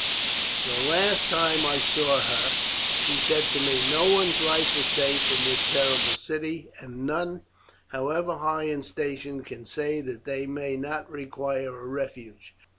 "The last time I saw her she said to me, 'No one's life is safe in this terrible city, and none, however high in station, can say that they may not require refuge.